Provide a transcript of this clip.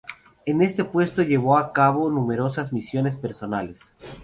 En este puesto llevó a cabo numerosas misiones personales.